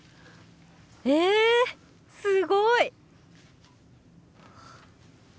えすごい！